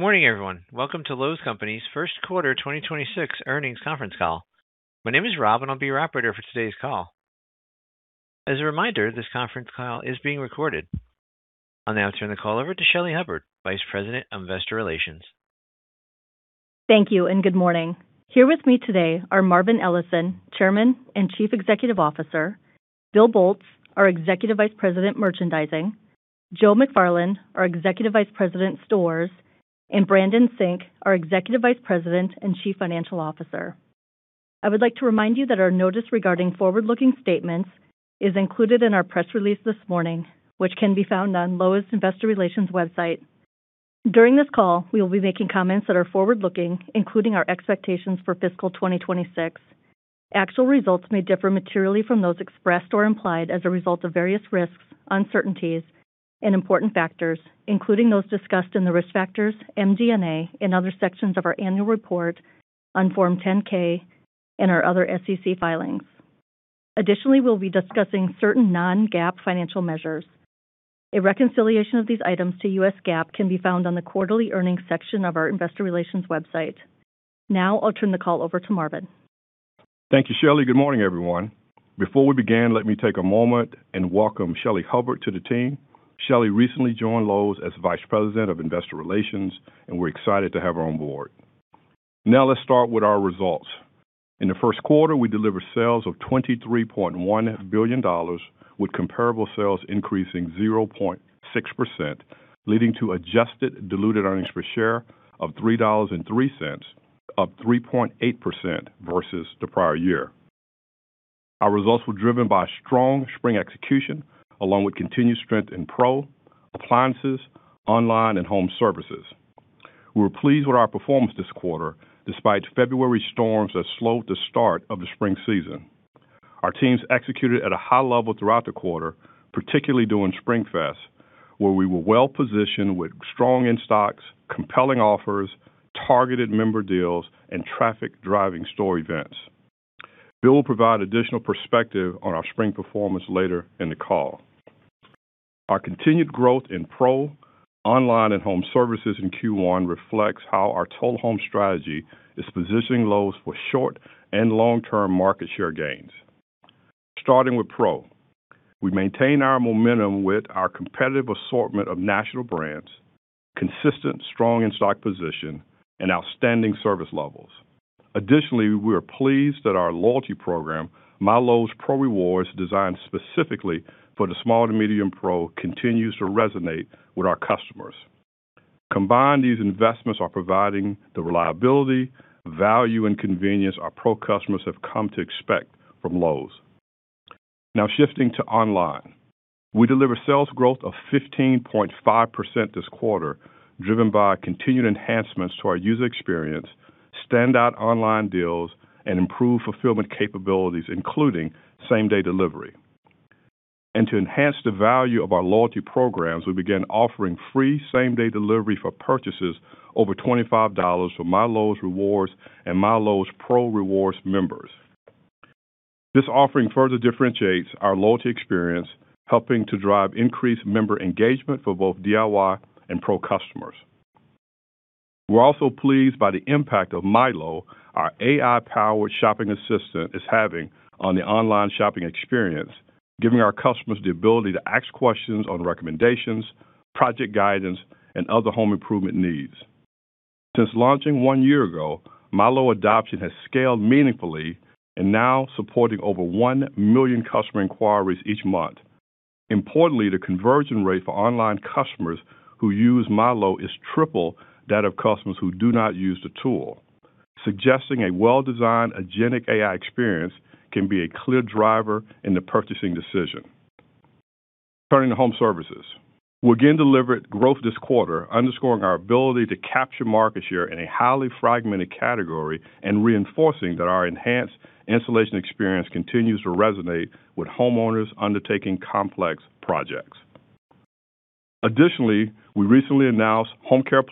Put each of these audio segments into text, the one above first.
Good morning, everyone. Welcome to Lowe's Companies' first quarter 2026 earnings conference call. My name is Rob. I'll be your operator for today's call. As a reminder, this conference call is being recorded. I'll now turn the call over to Shelly Hubbard, Vice President of Investor Relations. Thank you. Good morning. Here with me today are Marvin Ellison, Chairman and Chief Executive Officer, Bill Boltz, our Executive Vice President, Merchandising, Joe McFarland, our Executive Vice President, Stores, and Brandon Sink, our Executive Vice President and Chief Financial Officer. I would like to remind you that our notice regarding forward-looking statements is included in our press release this morning, which can be found on Lowe's Investor Relations website. During this call, we will be making comments that are forward-looking, including our expectations for fiscal 2026. Actual results may differ materially from those expressed or implied as a result of various risks, uncertainties, and important factors, including those discussed in the Risk Factors, MD&A, and other sections of our annual report on Form 10-K and our other SEC filings. Additionally, we will be discussing certain non-GAAP financial measures. A reconciliation of these items to U.S. GAAP can be found on the quarterly earnings section of our Investor Relations website. Now, I'll turn the call over to Marvin. Thank you, Shelly. Good morning, everyone. Before we begin, let me take a moment and welcome Shelly Hubbard to the team. Shelly recently joined Lowe's as Vice President of Investor Relations, and we're excited to have her on board. Now let's start with our results. In the first quarter, we delivered sales of $23.1 billion, with comparable sales increasing 0.6%, leading to adjusted diluted earnings per share of $3.03, up 3.8% versus the prior year. Our results were driven by strong spring execution, along with continued strength in pro, appliances, online, and home services. We're pleased with our performance this quarter, despite February storms that slowed the start of the spring season. Our teams executed at a high level throughout the quarter, particularly during SpringFest, where we were well-positioned with strong in-stocks, compelling offers, targeted member deals, and traffic-driving store events. Bill will provide additional perspective on our spring performance later in the call. Our continued growth in pro, online, and home services in Q1 reflects how our Total Home strategy is positioning Lowe's for short and long-term market share gains. Starting with pro, we maintain our momentum with our competitive assortment of national brands, consistent, strong in-stock position, and outstanding service levels. Additionally, we are pleased that our loyalty program, MyLowe's Pro Rewards, designed specifically for the small to medium pro, continues to resonate with our customers. Combined, these investments are providing the reliability, value, and convenience our pro customers have come to expect from Lowe's. Now shifting to online. We delivered sales growth of 15.5% this quarter, driven by continued enhancements to our user experience, standout online deals, and improved fulfillment capabilities, including same-day delivery. To enhance the value of our loyalty programs, we began offering free same-day delivery for purchases over $25 for MyLowe's Rewards and MyLowe's Pro Rewards members. This offering further differentiates our loyalty experience, helping to drive increased member engagement for both DIY and pro customers. We're also pleased by the impact of Mylow, our AI-powered shopping assistant, is having on the online shopping experience, giving our customers the ability to ask questions on recommendations, project guidance, and other home improvement needs. Since launching one year ago, Mylow adoption has scaled meaningfully and now supporting over 1 million customer inquiries each month. Importantly, the conversion rate for online customers who use Mylow is triple that of customers who do not use the tool. Suggesting a well-designed agentic AI experience can be a clear driver in the purchasing decision. Turning to home services. We again delivered growth this quarter, underscoring our ability to capture market share in a highly fragmented category and reinforcing that our enhanced installation experience continues to resonate with homeowners undertaking complex projects. Additionally, we recently announced HomeCare+,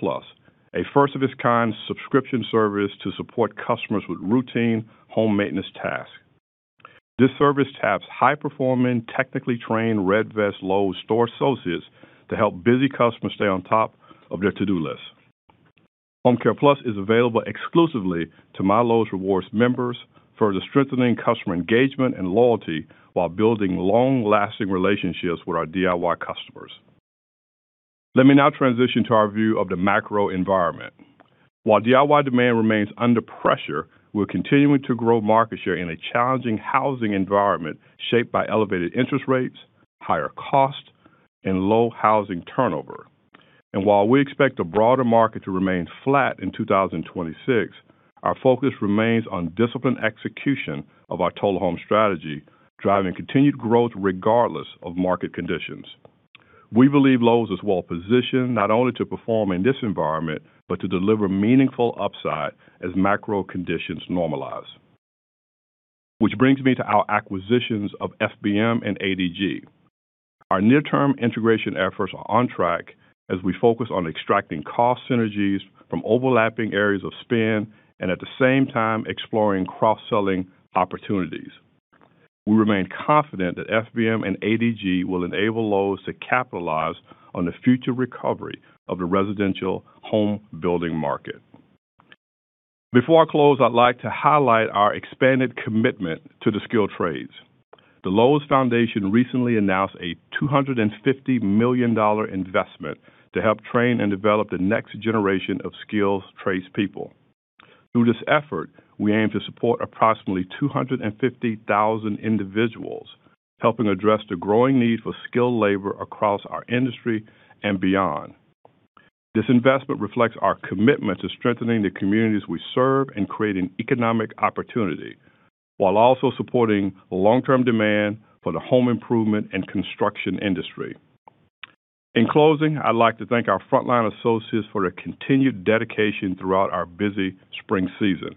a first-of-its-kind subscription service to support customers with routine home maintenance tasks. This service taps high-performing, technically trained red vest Lowe's store associates to help busy customers stay on top of their to-do list. HomeCare+ is available exclusively to MyLowe's Rewards members, further strengthening customer engagement and loyalty while building long-lasting relationships with our DIY customers. Let me now transition to our view of the macro environment. While DIY demand remains under pressure, we're continuing to grow market share in a challenging housing environment shaped by elevated interest rates, higher costs, and low housing turnover. While we expect the broader market to remain flat in 2026, our focus remains on disciplined execution of our Total Home strategy, driving continued growth regardless of market conditions. We believe Lowe's is well-positioned not only to perform in this environment, but to deliver meaningful upside as macro conditions normalize. Which brings me to our acquisitions of FBM and ADG. Our near-term integration efforts are on track as we focus on extracting cost synergies from overlapping areas of spend and at the same time exploring cross-selling opportunities. We remain confident that FBM and ADG will enable Lowe's to capitalize on the future recovery of the residential home building market. Before I close, I'd like to highlight our expanded commitment to the skilled trades. The Lowe's Foundation recently announced a $250 million investment to help train and develop the next generation of skills trades people. Through this effort, we aim to support approximately 250,000 individuals, helping address the growing need for skilled labor across our industry and beyond. This investment reflects our commitment to strengthening the communities we serve and creating economic opportunity, while also supporting long-term demand for the home improvement and construction industry. In closing, I'd like to thank our frontline associates for their continued dedication throughout our busy spring season.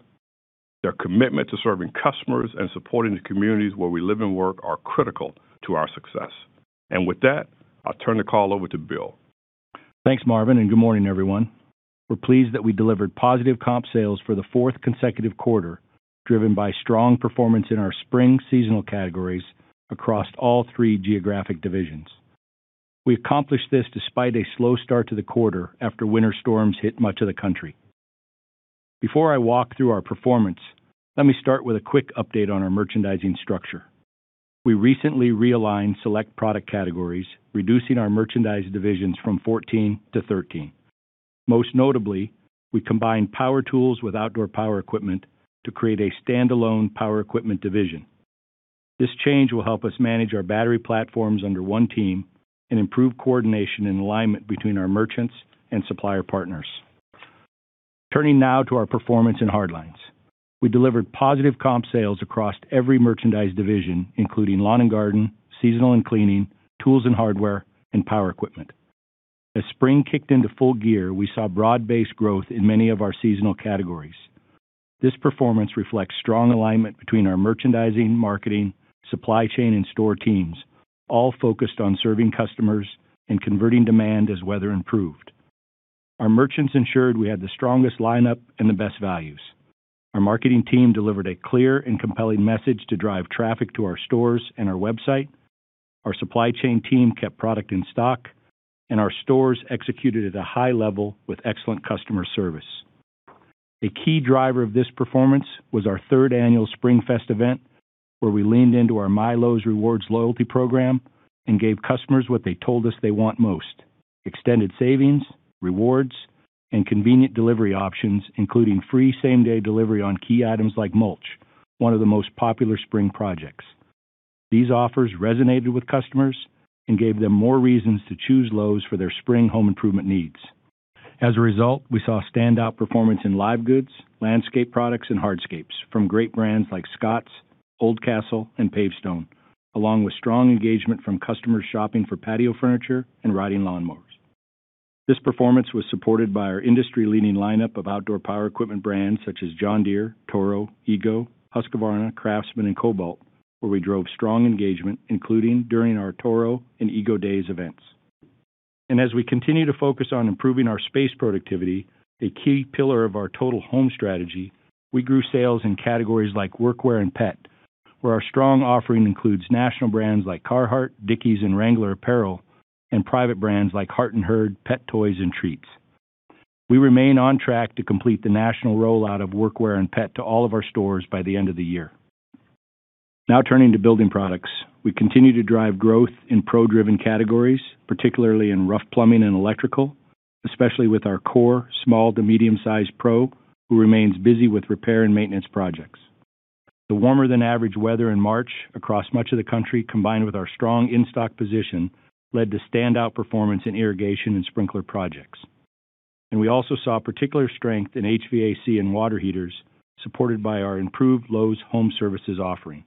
Their commitment to serving customers and supporting the communities where we live and work are critical to our success. With that, I'll turn the call over to Bill. Thanks, Marvin. Good morning, everyone. We're pleased that we delivered positive comp sales for the fourth consecutive quarter, driven by strong performance in our spring seasonal categories across all three geographic divisions. We accomplished this despite a slow start to the quarter after winter storms hit much of the country. Before I walk through our performance, let me start with a quick update on our merchandising structure. We recently realigned select product categories, reducing our merchandise divisions from 14 to 13. Most notably, we combined power tools with outdoor power equipment to create a standalone power equipment division. This change will help us manage our battery platforms under one team and improve coordination and alignment between our merchants and supplier partners. Turning now to our performance in hard lines. We delivered positive comp sales across every merchandise division, including lawn and garden, seasonal and cleaning, tools and hardware, and power equipment. As spring kicked into full gear, we saw broad-based growth in many of our seasonal categories. This performance reflects strong alignment between our merchandising, marketing, supply chain, and store teams, all focused on serving customers and converting demand as weather improved. Our merchants ensured we had the strongest lineup and the best values. Our marketing team delivered a clear and compelling message to drive traffic to our stores and our website. Our supply chain team kept product in stock, and our stores executed at a high level with excellent customer service. A key driver of this performance was our third annual SpringFest event, where we leaned into our MyLowe's Rewards loyalty program and gave customers what they told us they want most: extended savings, rewards, and convenient delivery options, including free same-day delivery on key items like mulch, one of the most popular spring projects. These offers resonated with customers and gave them more reasons to choose Lowe's for their spring home improvement needs. As a result, we saw standout performance in live goods, landscape products, and hardscapes from great brands like Scotts, Oldcastle, and Pavestone, along with strong engagement from customers shopping for patio furniture and riding lawn mowers. This performance was supported by our industry-leading lineup of outdoor power equipment brands such as John Deere, Toro, EGO, Husqvarna, CRAFTSMAN, and Kobalt, where we drove strong engagement, including during our Toro and EGO Days events. As we continue to focus on improving our space productivity, a key pillar of our Total Home strategy, we grew sales in categories like work wear and pet, where our strong offering includes national brands like Carhartt, Dickies, and Wrangler apparel, and private brands like Heart & Herd pet toys and treats. We remain on track to complete the national rollout of work wear and pet to all of our stores by the end of the year. Turning to building products. We continue to drive growth in pro-driven categories, particularly in rough plumbing and electrical, especially with our core small to medium-sized pro, who remains busy with repair and maintenance projects. The warmer-than-average weather in March across much of the country, combined with our strong in-stock position, led to standout performance in irrigation and sprinkler projects. We also saw particular strength in HVAC and water heaters, supported by our improved Lowe's home services offering,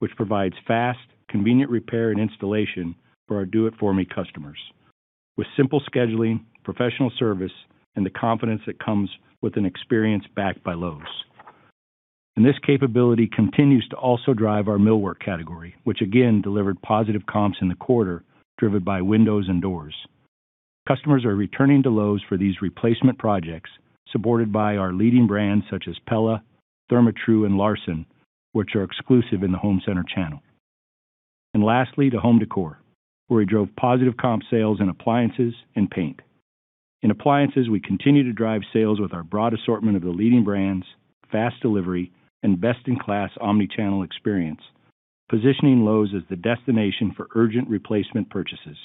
which provides fast, convenient repair and installation for our do-it-for-me customers. With simple scheduling, professional service, and the confidence that comes with an experience backed by Lowe's. This capability continues to also drive our millwork category, which again delivered positive comps in the quarter, driven by windows and doors. Customers are returning to Lowe's for these replacement projects, supported by our leading brands such as Pella, Therma-Tru, and LARSON, which are exclusive in the home center channel. Lastly, to home decor, where we drove positive comp sales in appliances and paint. In appliances, we continue to drive sales with our broad assortment of the leading brands, fast delivery, and best-in-class omni-channel experience, positioning Lowe's as the destination for urgent replacement purchases.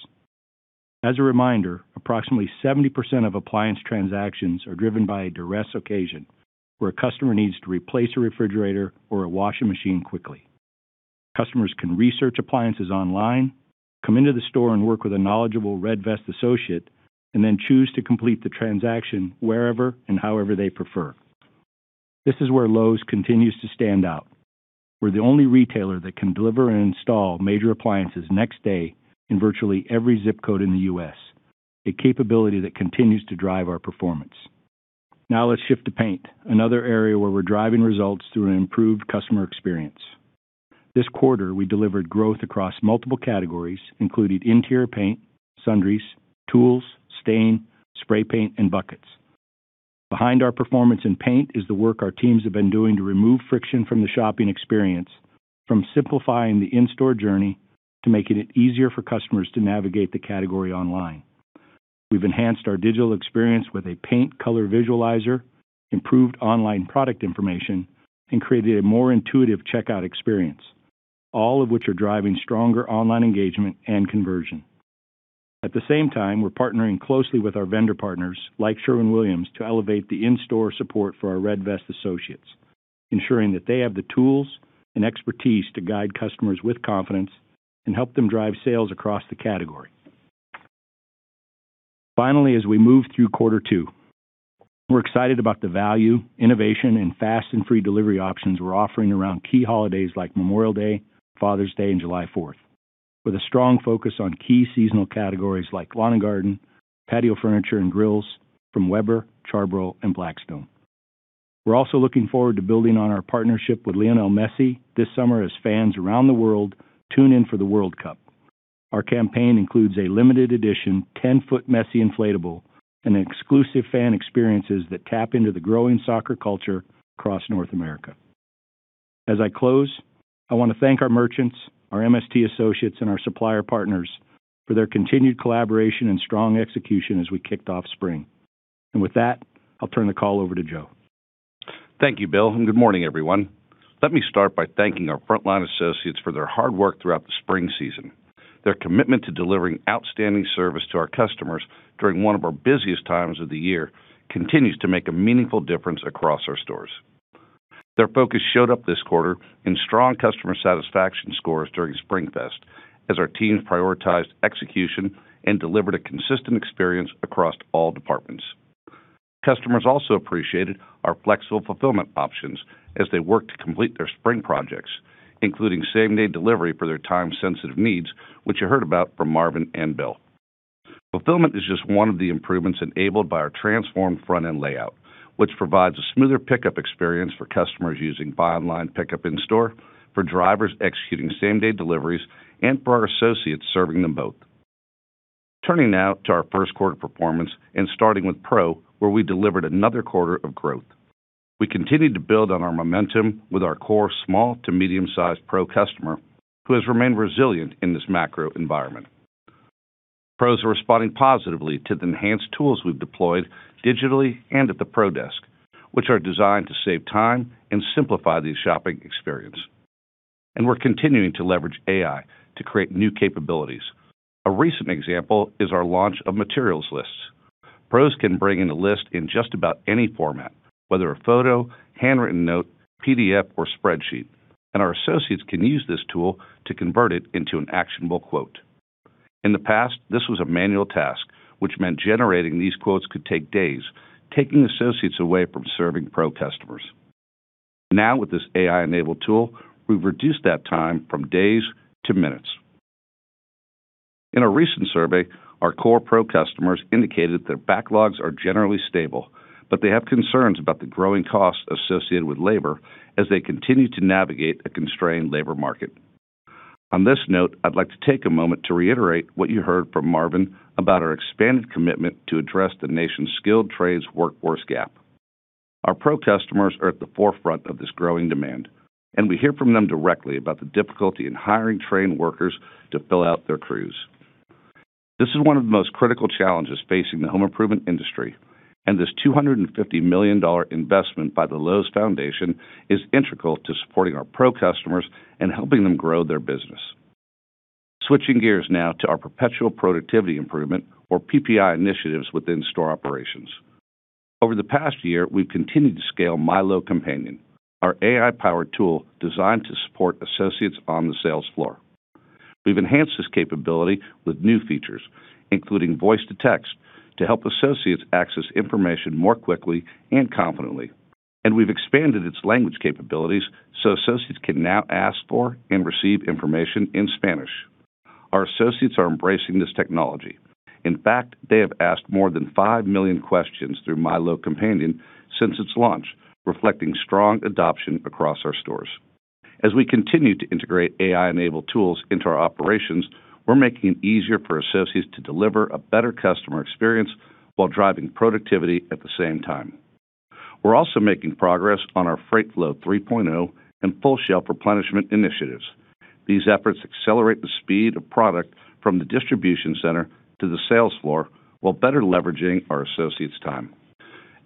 As a reminder, approximately 70% of appliance transactions are driven by a duress occasion, where a customer needs to replace a refrigerator or a washing machine quickly. Customers can research appliances online, come into the store and work with a knowledgeable red vest associate, and then choose to complete the transaction wherever and however they prefer. This is where Lowe's continues to stand out. We're the only retailer that can deliver and install major appliances next day in virtually every zip code in the U.S., a capability that continues to drive our performance. Let's shift to paint, another area where we're driving results through an improved customer experience. This quarter, we delivered growth across multiple categories, including interior paint, sundries, tools, stain, spray paint, and buckets. Behind our performance in paint is the work our teams have been doing to remove friction from the shopping experience, from simplifying the in-store journey to making it easier for customers to navigate the category online. We've enhanced our digital experience with a paint color visualizer, improved online product information, and created a more intuitive checkout experience, all of which are driving stronger online engagement and conversion. At the same time, we're partnering closely with our vendor partners like Sherwin-Williams to elevate the in-store support for our red vest associates, ensuring that they have the tools and expertise to guide customers with confidence and help them drive sales across the category. Finally, as we move through quarter two, we're excited about the value, innovation, and fast and free delivery options we're offering around key holidays like Memorial Day, Father's Day, and July 4th, with a strong focus on key seasonal categories like lawn and garden, patio furniture, and grills from Weber, Charbroil, and Blackstone. We're also looking forward to building on our partnership with Lionel Messi this summer as fans around the world tune in for the World Cup. Our campaign includes a limited edition 10 ft Messi inflatable and exclusive fan experiences that tap into the growing soccer culture across North America. As I close, I want to thank our merchants, our MST associates, and our supplier partners for their continued collaboration and strong execution as we kicked off spring. With that, I'll turn the call over to Joe. Thank you, Bill, and good morning, everyone. Let me start by thanking our frontline associates for their hard work throughout the spring season. Their commitment to delivering outstanding service to our customers during one of our busiest times of the year continues to make a meaningful difference across our stores. Their focus showed up this quarter in strong customer satisfaction scores during SpringFest, as our teams prioritized execution and delivered a consistent experience across all departments. Customers also appreciated our flexible fulfillment options as they worked to complete their spring projects, including same-day delivery for their time-sensitive needs, which you heard about from Marvin and Bill. Fulfillment is just one of the improvements enabled by our transformed front-end layout, which provides a smoother pickup experience for customers using buy online, pickup in store, for drivers executing same-day deliveries, and for our associates serving them both. Turning now to our first quarter performance and starting with Pro, where we delivered another quarter of growth. We continued to build on our momentum with our core small to medium-sized Pro customer, who has remained resilient in this macro environment. Pros are responding positively to the enhanced tools we've deployed digitally and at the Pro Desk, which are designed to save time and simplify the shopping experience. We're continuing to leverage AI to create new capabilities. A recent example is our launch of materials lists. Pros can bring in a list in just about any format, whether a photo, handwritten note, PDF, or spreadsheet, and our associates can use this tool to convert it into an actionable quote. In the past, this was a manual task, which meant generating these quotes could take days, taking associates away from serving Pro customers. Now, with this AI-enabled tool, we've reduced that time from days to minutes. In a recent survey, our core Pro customers indicated their backlogs are generally stable, but they have concerns about the growing costs associated with labor as they continue to navigate a constrained labor market. On this note, I'd like to take a moment to reiterate what you heard from Marvin about our expanded commitment to address the nation's skilled trades workforce gap. Our Pro customers are at the forefront of this growing demand, and we hear from them directly about the difficulty in hiring trained workers to fill out their crews. This is one of the most critical challenges facing the home improvement industry, and this $250 million investment by the Lowe's Foundation is integral to supporting our pro customers and helping them grow their business. Switching gears now to our Perpetual Productivity Improvement or PPI initiatives within store operations. Over the past year, we've continued to scale Mylow Companion, our AI-powered tool designed to support associates on the sales floor. We've enhanced this capability with new features, including voice-to-text, to help associates access information more quickly and confidently. We've expanded its language capabilities so associates can now ask for and receive information in Spanish. Our associates are embracing this technology. In fact, they have asked more than 5 million questions through Mylow Companion since its launch, reflecting strong adoption across our stores. As we continue to integrate AI-enabled tools into our operations, we're making it easier for associates to deliver a better customer experience while driving productivity at the same time. We're also making progress on our Freight Flow 3.0 and full shelf replenishment initiatives. These efforts accelerate the speed of product from the distribution center to the sales floor while better leveraging our associates' time.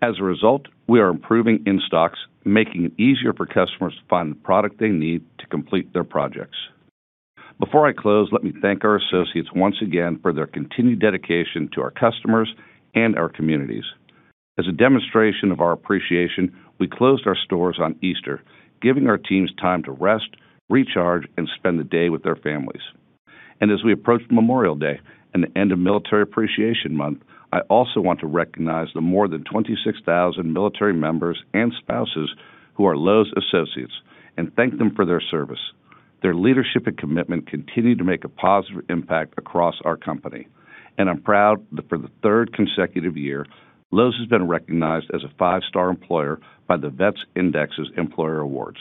As a result, we are improving in-stocks, making it easier for customers to find the product they need to complete their projects. Before I close, let me thank our associates once again for their continued dedication to our customers and our communities. As a demonstration of our appreciation, we closed our stores on Easter, giving our teams time to rest, recharge, and spend the day with their families. As we approach Memorial Day and the end of Military Appreciation Month, I also want to recognize the more than 26,000 military members and spouses who are Lowe's associates and thank them for their service. Their leadership and commitment continue to make a positive impact across our company, and I'm proud that for the third consecutive year, Lowe's has been recognized as a five star employer by the VETS Indexes Employer Awards.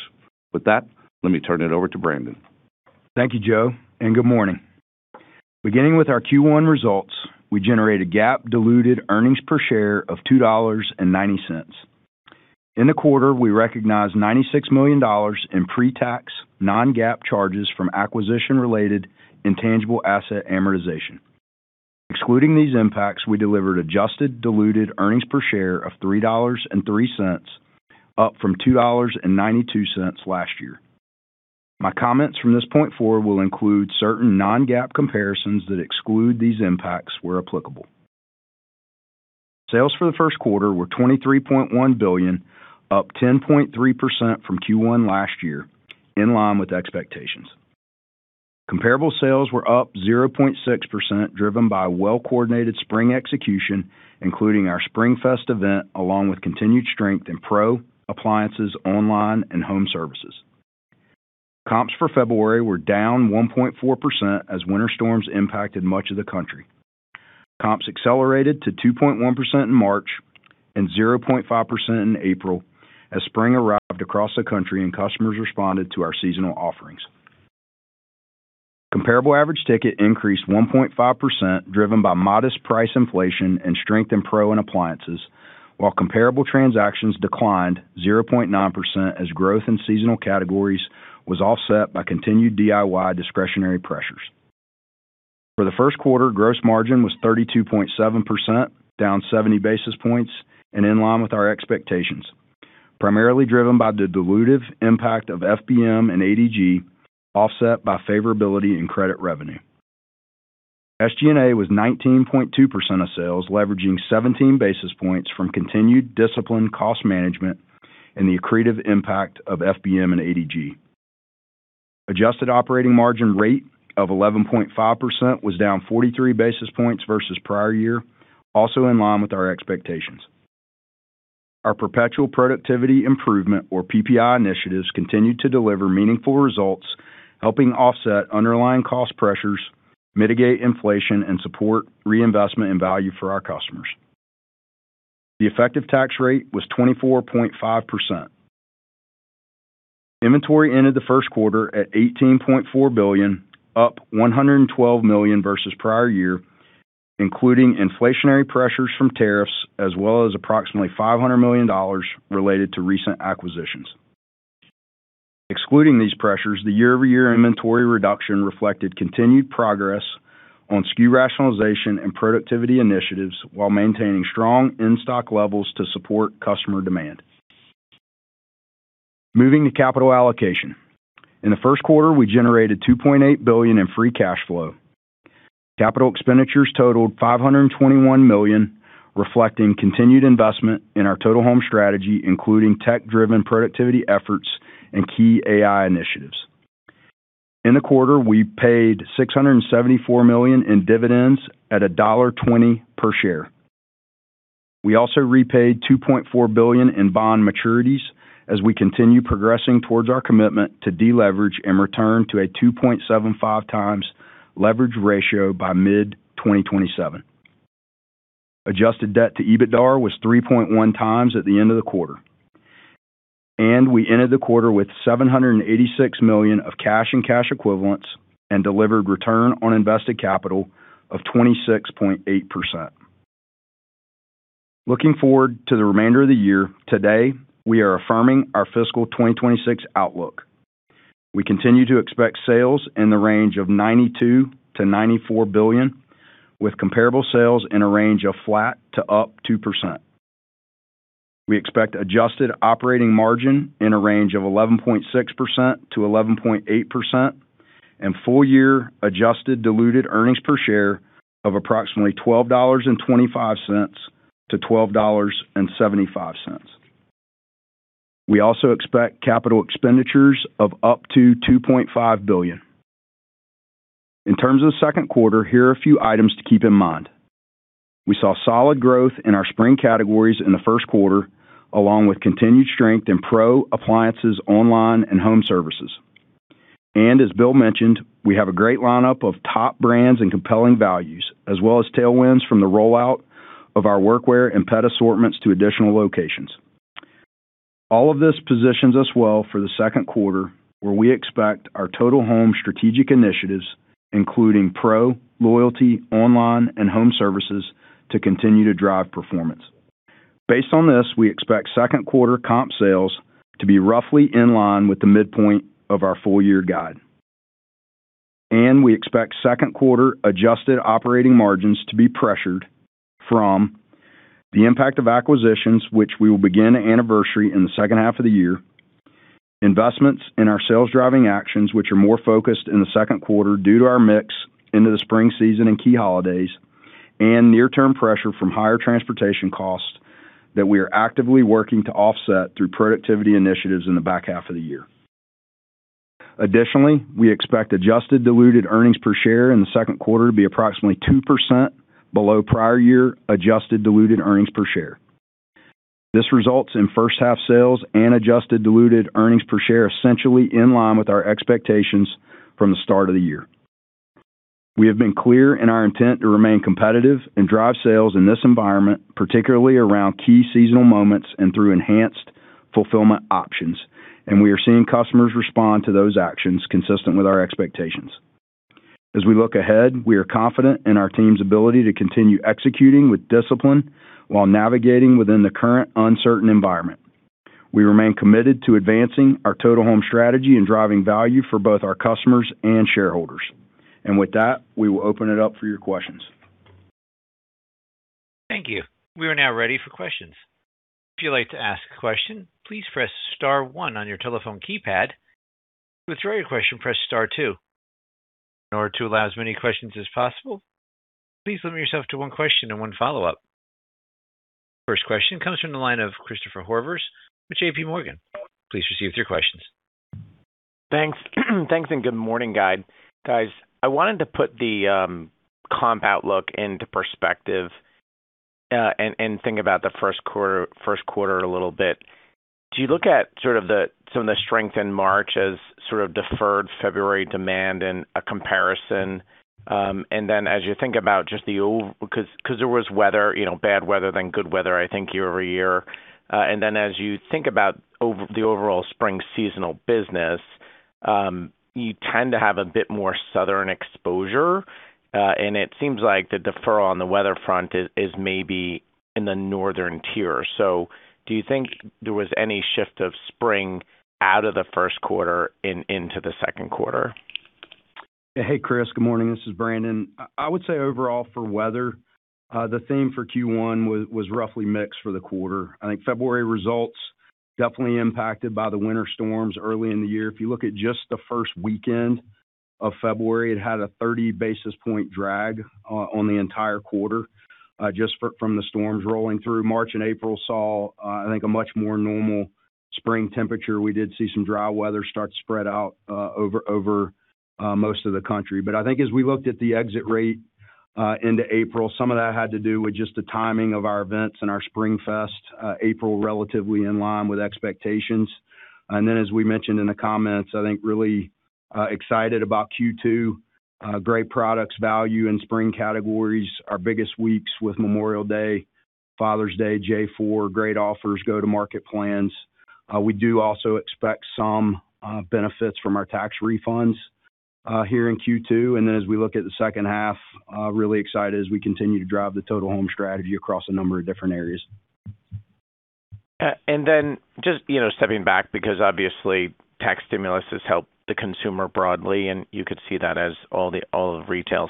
With that, let me turn it over to Brandon. Thank you, Joe, and good morning. Beginning with our Q1 results, we generated GAAP diluted earnings per share of $2.90. In the quarter, we recognized $96 million in pre-tax non-GAAP charges from acquisition-related intangible asset amortization. Excluding these impacts, we delivered adjusted diluted earnings per share of $3.03, up from $2.92 last year. My comments from this point forward will include certain non-GAAP comparisons that exclude these impacts where applicable. Sales for the first quarter were $23.1 billion, up 10.3% from Q1 last year, in line with expectations. Comparable sales were up 0.6%, driven by well-coordinated spring execution, including our SpringFest event, along with continued strength in pro, appliances, online, and home services. Comps for February were down 1.4% as winter storms impacted much of the country. Comps accelerated to 2.1% in March and 0.5% in April as spring arrived across the country and customers responded to our seasonal offerings. Comparable average ticket increased 1.5%, driven by modest price inflation and strength in pro and appliances, while comparable transactions declined 0.9% as growth in seasonal categories was offset by continued DIY discretionary pressures. For the first quarter, gross margin was 32.7%, down 70 basis points and in line with our expectations, primarily driven by the dilutive impact of FBM and ADG, offset by favorability in credit revenue. SG&A was 19.2% of sales, leveraging 17 basis points from continued disciplined cost management and the accretive impact of FBM and ADG. Adjusted operating margin rate of 11.5% was down 43 basis points versus prior year, also in line with our expectations. Our Perpetual Productivity Improvement, or PPI initiatives, continued to deliver meaningful results, helping offset underlying cost pressures, mitigate inflation, and support reinvestment in value for our customers. The effective tax rate was 24.5%. Inventory ended the first quarter at $18.4 billion, up $112 million versus prior year, including inflationary pressures from tariffs, as well as approximately $500 million related to recent acquisitions. Excluding these pressures, the year-over-year inventory reduction reflected continued progress on SKU rationalization and productivity initiatives while maintaining strong in-stock levels to support customer demand. Moving to capital allocation. In the first quarter, we generated $2.8 billion in free cash flow. Capital expenditures totaled $521 million, reflecting continued investment in our Total Home strategy, including tech-driven productivity efforts and key AI initiatives. In the quarter, we paid $674 million in dividends at $1.20 per share. We also repaid $2.4 billion in bond maturities as we continue progressing towards our commitment to deleverage and return to a 2.75x leverage ratio by mid-2027. Adjusted debt to EBITDA was 3.1x at the end of the quarter. We ended the quarter with $786 million of cash and cash equivalents and delivered return on invested capital of 26.8%. Looking forward to the remainder of the year, today, we are affirming our fiscal 2026 outlook. We continue to expect sales in the range of $92 billion-$94 billion, with comparable sales in a range of flat to up 2%. We expect adjusted operating margin in a range of 11.6%-11.8% and full-year adjusted diluted earnings per share of approximately $12.25-$12.75. We also expect capital expenditures of up to $2.5 billion. In terms of the second quarter, here are a few items to keep in mind. We saw solid growth in our spring categories in the first quarter, along with continued strength in pro, appliances, online, and home services. As Bill mentioned, we have a great lineup of top brands and compelling values, as well as tailwinds from the rollout of our workwear and pet assortments to additional locations. All of this positions us well for the second quarter, where we expect our Total Home strategic initiatives, including pro, loyalty, online, and home services, to continue to drive performance. Based on this, we expect second quarter comp sales to be roughly in line with the midpoint of our full-year guide. We expect second quarter adjusted operating margins to be pressured from the impact of acquisitions, which we will begin to anniversary in the second half of the year, investments in our sales-driving actions, which are more focused in the second quarter due to our mix into the spring season and key holidays, and near-term pressure from higher transportation costs that we are actively working to offset through productivity initiatives in the back half of the year. Additionally, we expect adjusted diluted earnings per share in the second quarter to be approximately 2% below prior year adjusted diluted earnings per share. This results in first half sales and adjusted diluted earnings per share essentially in line with our expectations from the start of the year. We have been clear in our intent to remain competitive and drive sales in this environment, particularly around key seasonal moments and through enhanced-fulfillment options. We are seeing customers respond to those actions consistent with our expectations. As we look ahead, we are confident in our team's ability to continue executing with discipline while navigating within the current uncertain environment. We remain committed to advancing our Total Home strategy and driving value for both our customers and shareholders. With that, we will open it up for your questions. Thank you. We are now ready for questions. If you'd like to ask a question, please press star one on your telephone keypad. To withdraw your question, press star two. In order to allow as many questions as possible, please limit yourself to one question and one follow-up. First question comes from the line of Christopher Horvers with JPMorgan. Please proceed with your questions. Thanks. Good morning, guys. I wanted to put the comp outlook into perspective and think about the first quarter a little bit. Do you look at sort of some of the strength in March as sort of deferred February demand and a comparison? As you think about just because there was weather, bad weather then good weather, I think, year-over-year. As you think about the overall spring seasonal business, you tend to have a bit more southern exposure. It seems like the deferral on the weather front is maybe in the northern tier. Do you think there was any shift of spring out of the first quarter and into the second quarter? Hey, Chris, good morning. This is Brandon. I would say overall for weather, the theme for Q1 was roughly mixed for the quarter. I think February results definitely impacted by the winter storms early in the year. If you look at just the first weekend of February, it had a 30 basis point drag on the entire quarter, just from the storms rolling through. March and April saw, I think, a much more normal spring temperature. We did see some dry weather start to spread out over most of the country. I think as we looked at the exit rate into April, some of that had to do with just the timing of our events and our SpringFest. April, relatively in line with expectations. As we mentioned in the comments, I think really excited about Q2. Great products, value and spring categories. Our biggest weeks with Memorial Day, Father's Day, J4, great offers, go-to-market plans. We do also expect some benefits from our tax refunds here in Q2. As we look at the second half, really excited as we continue to drive the Total Home strategy across a number of different areas. Just stepping back because obviously, tax stimulus has helped the consumer broadly, and you could see that as all of retail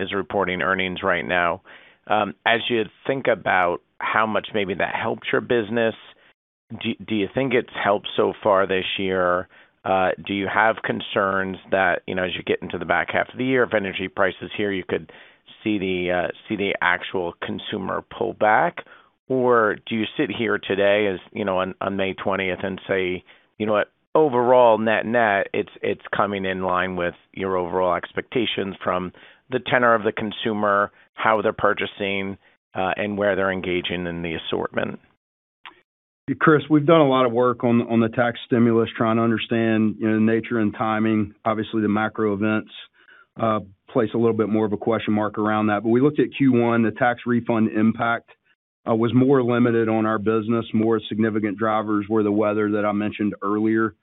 is reporting earnings right now. As you think about how much maybe that helped your business, do you think it's helped so far this year? Do you have concerns that, as you get into the back half of the year of energy prices here you could see the actual consumer pull back? Do you sit here today on May 20th and say, you know what, overall, net-net, it's coming in line with your overall expectations from the tenor of the consumer, how they're purchasing, and where they're engaging in the assortment? Chris, we've done a lot of work on the tax stimulus, trying to understand nature and timing. Obviously, the macro events place a little bit more of a question mark around that. We looked at Q1, the tax refund impact was more limited on our business. More significant drivers were the weather that I mentioned earlier.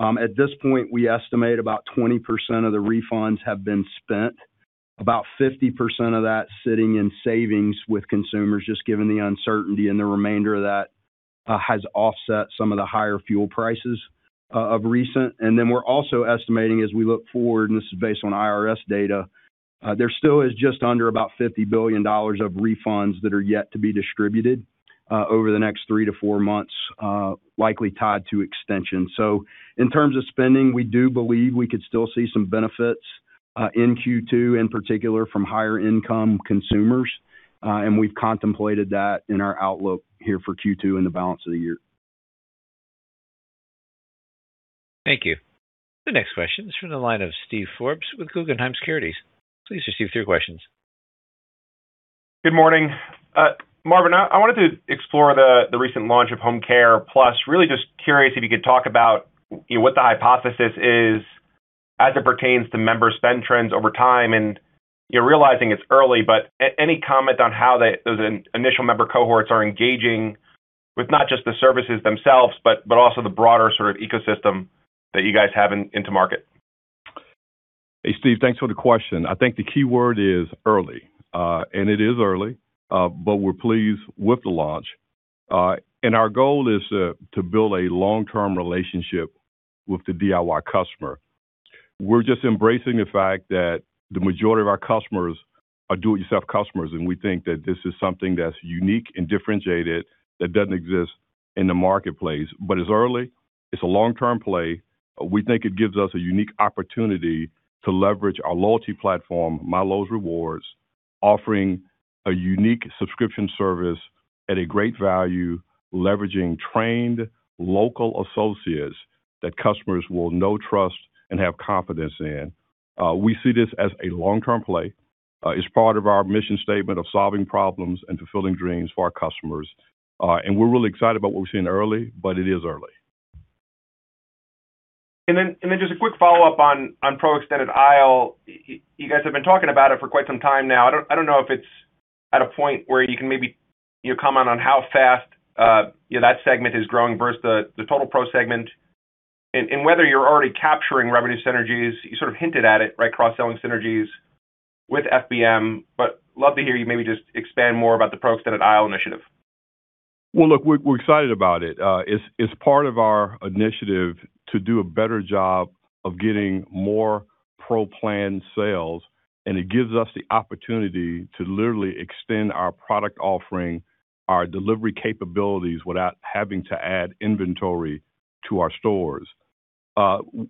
At this point, we estimate about 20% of the refunds have been spent. About 50% of that sitting in savings with consumers, just given the uncertainty, and the remainder of that has offset some of the higher fuel prices of recent. We're also estimating as we look forward, and this is based on IRS data, there still is just under about $50 billion of refunds that are yet to be distributed over the next three to four months, likely tied to extension. In terms of spending, we do believe we could still see some benefits, in Q2, in particular, from higher income consumers. We've contemplated that in our outlook here for Q2 and the balance of the year. Thank you. The next question is from the line of Steve Forbes with Guggenheim Securities. Please proceed with your questions. Good morning. Marvin, I wanted to explore the recent launch of HomeCare+. Really just curious if you could talk about what the hypothesis is as it pertains to member spend trends over time and realizing it's early, but any comment on how those initial member cohorts are engaging with not just the services themselves, but also the broader sort of ecosystem that you guys have into market? Hey, Steve. Thanks for the question. I think the key word is early. It is early, but we're pleased with the launch. Our goal is to build a long-term relationship with the DIY customer. We're just embracing the fact that the majority of our customers are do-it-yourself customers, and we think that this is something that's unique and differentiated that doesn't exist in the marketplace. It's early, it's a long-term play. We think it gives us a unique opportunity to leverage our loyalty platform, MyLowe's Rewards, offering a unique subscription service at a great value, leveraging trained local associates that customers will know, trust, and have confidence in. We see this as a long-term play. It's part of our mission statement of solving problems and fulfilling dreams for our customers. We're really excited about what we're seeing early, but it is early. Just a quick follow-up on Pro Extended Aisle. You guys have been talking about it for quite some time now. I don't know if it is at a point where you can maybe comment on how fast that segment is growing versus the total Pro segment and whether you are already capturing revenue synergies. You sort of hinted at it, cross-selling synergies with FBM, but love to hear you maybe just expand more about the Pro Extended Aisle initiative. Well, look, we're excited about it. It's part of our initiative to do a better job of getting more Pro plan sales, and it gives us the opportunity to literally extend our product offering, our delivery capabilities, without having to add inventory to our stores.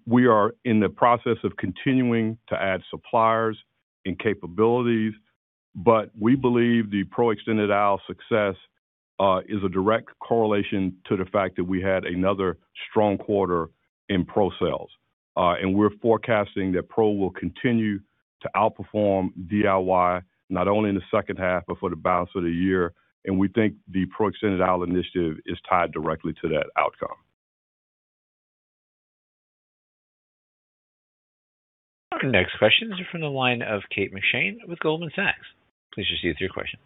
We are in the process of continuing to add suppliers and capabilities, but we believe the Pro Extended Aisle success is a direct correlation to the fact that we had another strong quarter in Pro sales. We're forecasting that Pro will continue to outperform DIY, not only in the second half but for the balance of the year. We think the Pro Extended Aisle initiative is tied directly to that outcome. Our next question is from the line of Kate McShane with Goldman Sachs. Please proceed with your question.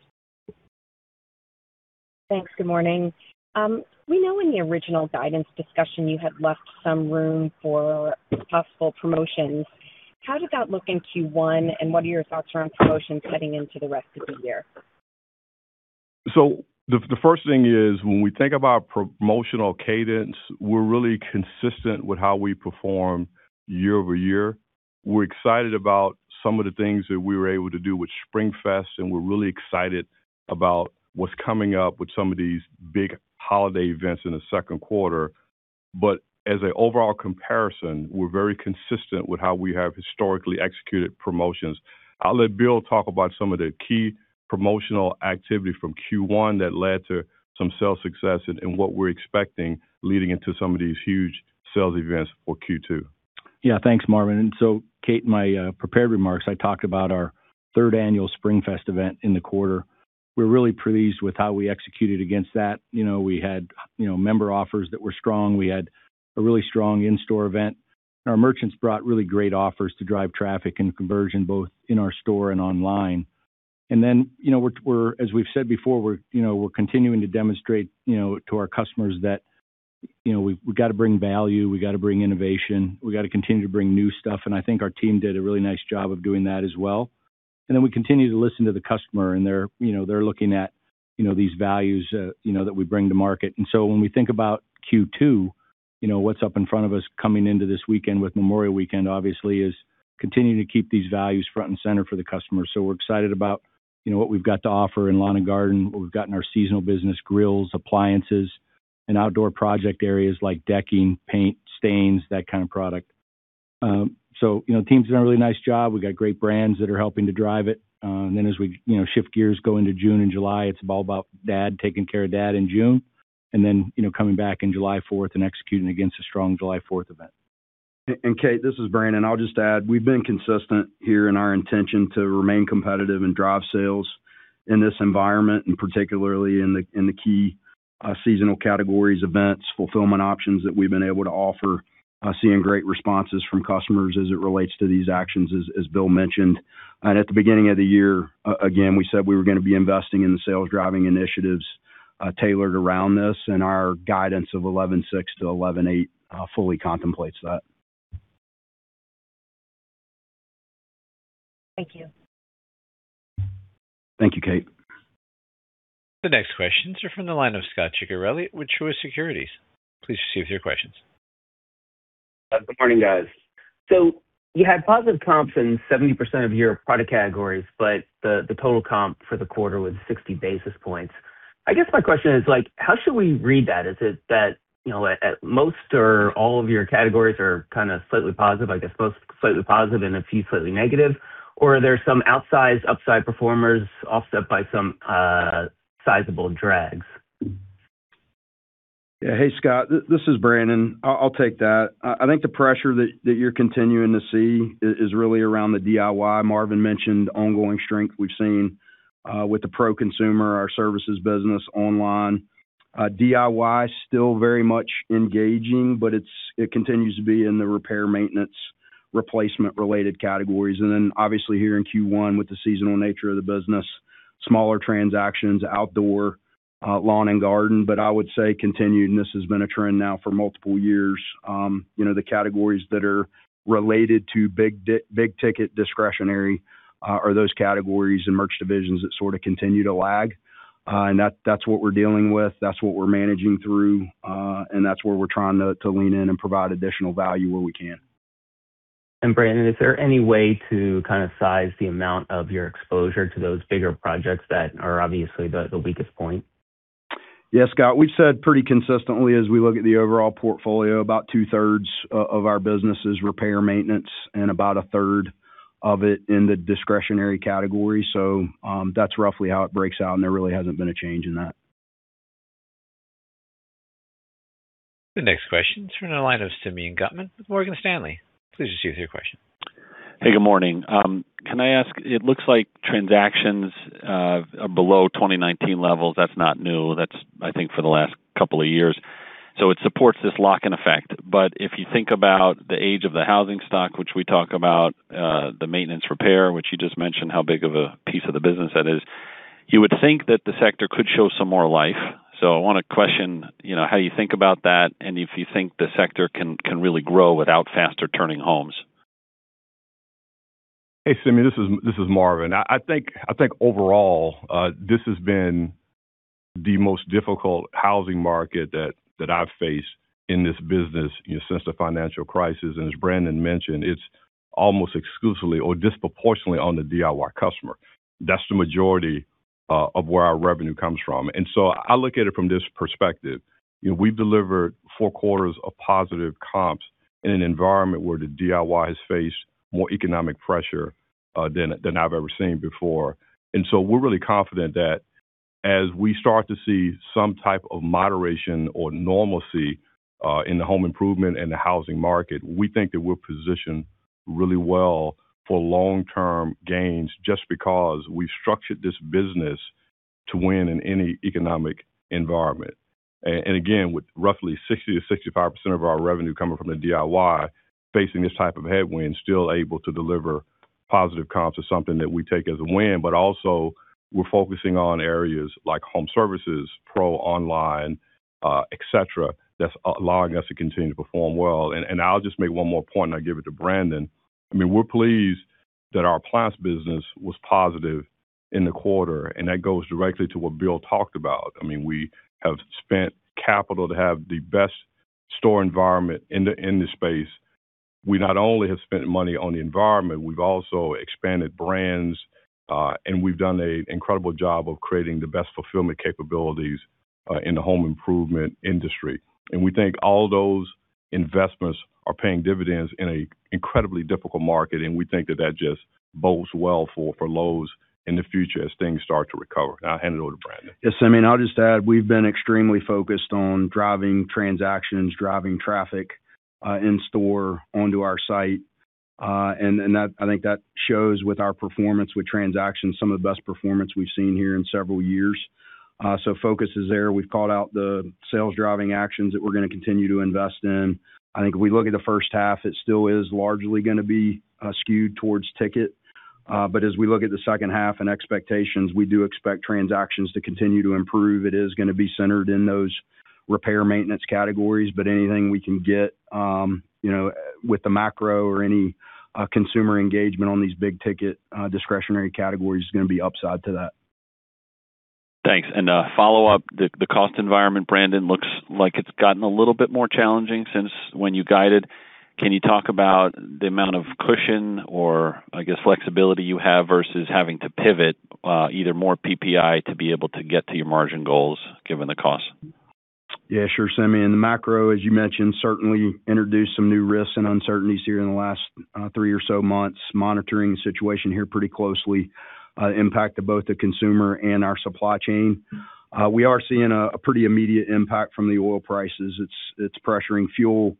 Thanks. Good morning. We know in the original guidance discussion you had left some room for possible promotions. How did that look in Q1, and what are your thoughts around promotions heading into the rest of the year? The first thing is, when we think about promotional cadence, we're really consistent with how we perform year-over-year. We're excited about some of the things that we were able to do with SpringFest, and we're really excited about what's coming up with some of these big holiday events in the second quarter. As an overall comparison, we're very consistent with how we have historically executed promotions. I'll let Bill talk about some of the key promotional activity from Q1 that led to some sales success and what we're expecting leading into some of these huge sales events for Q2. Yeah. Thanks, Marvin. Kate, in my prepared remarks, I talked about our third annual SpringFest event in the quarter. We're really pleased with how we executed against that. We had member offers that were strong. We had a really strong in-store event, our merchants brought really great offers to drive traffic and conversion, both in our store and online. As we've said before, we're continuing to demonstrate to our customers that we've got to bring value, we got to bring innovation, we got to continue to bring new stuff, I think our team did a really nice job of doing that as well. We continue to listen to the customer, they're looking at these values that we bring to market. When we think about Q2, what's up in front of us coming into this weekend with Memorial Weekend, obviously, is continuing to keep these values front and center for the customer. We're excited about what we've got to offer in lawn and garden, what we've got in our seasonal business, grills, appliances, and outdoor project areas like decking, paint, stains, that kind of product. The team's done a really nice job. We got great brands that are helping to drive it. As we shift gears go into June and July, it's all about dad taking care of dad in June, and then coming back in July 4th and executing against a strong July 4th event. Kate, this is Brandon. I'll just add, we've been consistent here in our intention to remain competitive and drive sales in this environment, and particularly in the key seasonal categories, events, fulfillment options that we've been able to offer. Seeing great responses from customers as it relates to these actions, as Bill mentioned. At the beginning of the year, again, we said we were going to be investing in the sales-driving initiatives tailored around this, and our guidance of 11.6%-11.8% fully contemplates that. Thank you. Thank you, Kate. The next questions are from the line of Scot Ciccarelli with Truist Securities. Please proceed with your questions. Good morning, guys. You had positive comps in 70% of your product categories, but the total comp for the quarter was 60 basis points. I guess my question is, how should we read that? Is it that most or all of your categories are kind of slightly positive, I guess most slightly positive and a few slightly negative? Are there some outsized upside performers offset by some sizable drags? Yeah. Hey, Scot. This is Brandon. I'll take that. I think the pressure that you're continuing to see is really around the DIY. Marvin mentioned ongoing strength we've seen with the pro consumer, our services business online. DIY still very much engaging, but it continues to be in the repair, maintenance, replacement related categories. Then obviously here in Q1 with the seasonal nature of the business, smaller transactions, outdoor, lawn and garden. I would say continued, and this has been a trend now for multiple years. The categories that are related to big ticket discretionary are those categories and merch divisions that sort of continue to lag. That's what we're dealing with, that's what we're managing through, and that's where we're trying to lean in and provide additional value where we can. Brandon, is there any way to kind of size the amount of your exposure to those bigger projects that are obviously the weakest point? Yeah, Scot. We've said pretty consistently as we look at the overall portfolio, about 2/3 of our business is repair maintenance and about 1/3 of it in the discretionary category. That's roughly how it breaks out, and there really hasn't been a change in that. The next question's from the line of Simeon Gutman with Morgan Stanley. Please proceed with your question. Hey, good morning. Can I ask, it looks like transactions are below 2019 levels. That's not new. That's, I think, for the last couple of years. It supports this lock-in effect. If you think about the age of the housing stock, which we talk about, the maintenance repair, which you just mentioned, how big of a piece of the business that is, you would think that the sector could show some more life. I want to question how you think about that and if you think the sector can really grow without faster turning homes. Hey, Simeon, this is Marvin. I think overall, this has been the most difficult housing market that I've faced in this business since the financial crisis. As Brandon mentioned, it's almost exclusively or disproportionately on the DIY customer. That's the majority of where our revenue comes from. I look at it from this perspective. We've delivered four quarters of positive comps in an environment where the DIY has faced more economic pressure than I've ever seen before. We're really confident that as we start to see some type of moderation or normalcy in the home improvement and the housing market, we think that we're positioned really well for long-term gains just because we've structured this business to win in any economic environment. Again, with roughly 60%-65% of our revenue coming from the DIY, facing this type of headwind, still able to deliver positive comps is something that we take as a win, but also we're focusing on areas like home services, pro, online, et cetera, that's allowing us to continue to perform well. I'll just make one more point and I'll give it to Brandon. We're pleased that our appliance business was positive in the quarter, and that goes directly to what Bill talked about. We have spent capital to have the best store environment in the space. We not only have spent money on the environment, we've also expanded brands, and we've done an incredible job of creating the best fulfillment capabilities in the home improvement industry. We think all those investments are paying dividends in an incredibly difficult market, we think that that just bodes well for Lowe's in the future as things start to recover. I'll hand it over to Brandon. Simeon, I'll just add, we've been extremely focused on driving transactions, driving traffic in-store onto our site. I think that shows with our performance with transactions, some of the best performance we've seen here in several years. Focus is there. We've called out the sales-driving actions that we're going to continue to invest in. I think if we look at the first half, it still is largely going to be skewed towards ticket. As we look at the second half and expectations, we do expect transactions to continue to improve. It is going to be centered in those repair maintenance categories, but anything we can get with the macro or any consumer engagement on these big-ticket discretionary categories is going to be upside to that. Thanks. A follow-up. The cost environment, Brandon, looks like it's gotten a little bit more challenging since when you guided. Can you talk about the amount of cushion or I guess flexibility you have versus having to pivot either more PPI to be able to get to your margin goals given the cost? Sure, Simeon. The macro, as you mentioned, certainly introduced some new risks and uncertainties here in the last three or so months, monitoring the situation here pretty closely, impact to both the consumer and our supply chain. We are seeing a pretty immediate impact from the oil prices. It's pressuring fuel,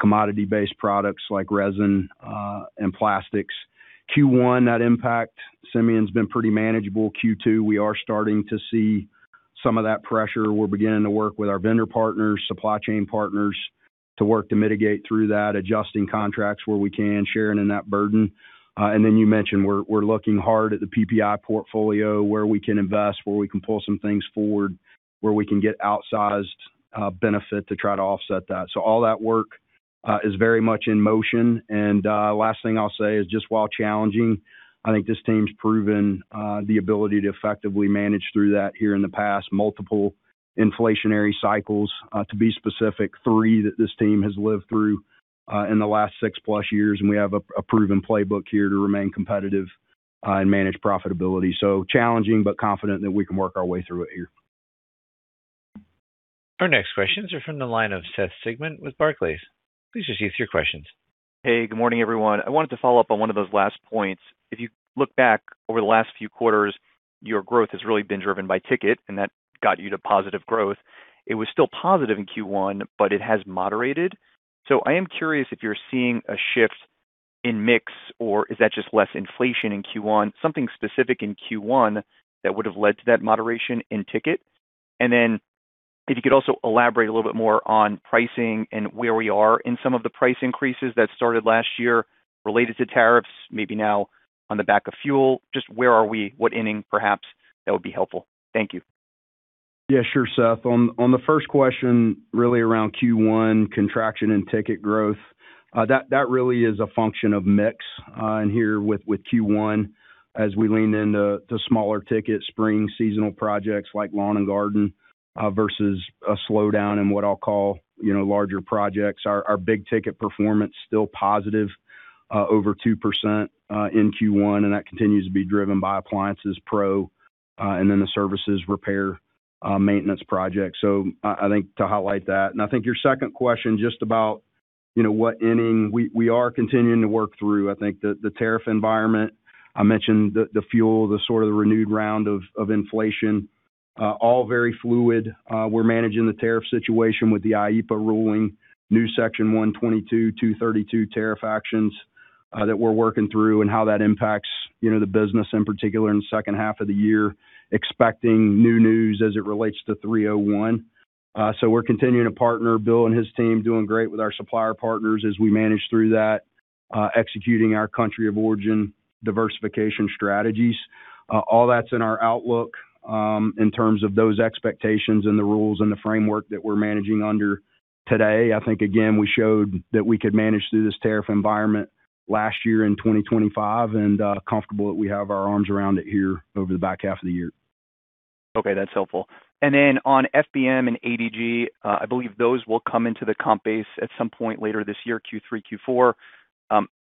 commodity-based products like resin and plastics. Q1, that impact, Simeon, has been pretty manageable. Q2, we are starting to see some of that pressure. We're beginning to work with our vendor partners, supply chain partners to work to mitigate through that, adjusting contracts where we can, sharing in that burden. Then you mentioned, we're looking hard at the PPI portfolio, where we can invest, where we can pull some things forward, where we can get outsized benefit to try to offset that. All that work is very much in motion. Last thing I'll say is just while challenging, I think this team's proven the ability to effectively manage through that here in the past multiple inflationary cycles, to be specific, three that this team has lived through in the last 6+ years, and we have a proven playbook here to remain competitive and manage profitability. Challenging, but confident that we can work our way through it here. Our next questions are from the line of Seth Sigman with Barclays. Please just give us your questions. Hey, good morning, everyone. I wanted to follow up on one of those last points. If you look back over the last few quarters, your growth has really been driven by ticket, and that got you to positive growth. It was still positive in Q1, but it has moderated. I am curious if you're seeing a shift in mix, or is that just less inflation in Q1, something specific in Q1 that would have led to that moderation in ticket. If you could also elaborate a little bit more on pricing and where we are in some of the price increases that started last year related to tariffs, maybe now on the back of fuel. Just where are we, what inning, perhaps, that would be helpful? Thank you. Sure, Seth. On the first question, really around Q1 contraction and ticket growth, that really is a function of mix. Here with Q1, as we lean into smaller ticket spring seasonal projects like lawn and garden versus a slowdown in what I'll call larger projects. Our big ticket performance still positive over 2% in Q1, that continues to be driven by Appliances Pro, then the services repair maintenance project. I think to highlight that. I think your second question just about what inning we are continuing to work through. I think the tariff environment, I mentioned the fuel, the sort of renewed round of inflation. All very fluid. We're managing the tariff situation with the IEEPA ruling, new Section 232 tariff actions that we're working through, how that impacts the business in particular in the second half of the year, expecting new news as it relates to 301. We're continuing to partner, Bill and his team doing great with our supplier partners as we manage through that, executing our country of origin diversification strategies. All that's in our outlook, in terms of those expectations and the rules and the framework that we're managing under today. I think, again, we showed that we could manage through this tariff environment last year in 2025 and comfortable that we have our arms around it here over the back half of the year. Okay, that's helpful. Then on FBM and ADG, I believe those will come into the comp base at some point later this year, Q3, Q4.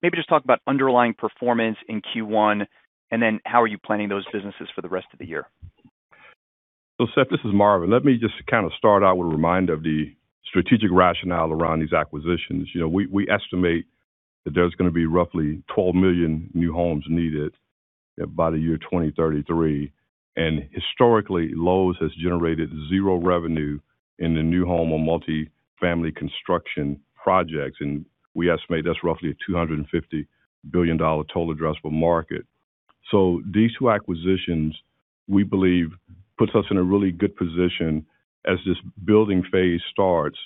Maybe just talk about underlying performance in Q1, and then how are you planning those businesses for the rest of the year? Seth, this is Marvin. Let me just kind of start out with a reminder of the strategic rationale around these acquisitions. We estimate that there's going to be roughly 12 million new homes needed by the year 2033. Historically, Lowe's has generated zero revenue in the new home or multi-family construction projects, and we estimate that's roughly a $250 billion total addressable market. These two acquisitions, we believe, puts us in a really good position as this building phase starts